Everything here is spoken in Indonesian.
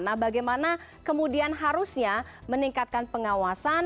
nah bagaimana kemudian harusnya meningkatkan pengawasan